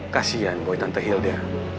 kasian boy tante hilda